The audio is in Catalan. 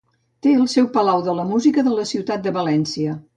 Té seu al Palau de la Música de la ciutat de València.